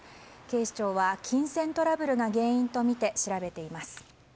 警視庁は金銭トラブルが原因とみて調べています。